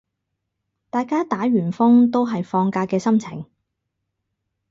大家打完風都係放假嘅心情